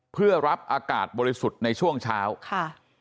เพื่อรับอากาศบริสุทธิ์ในช่วงเช้าค่ะ